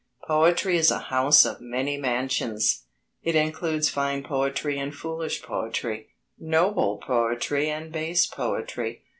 Poetry is a house of many mansions. It includes fine poetry and foolish poetry, noble poetry and base poetry.